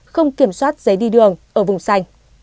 không kiểm soát giấy đi đường ở vùng xanh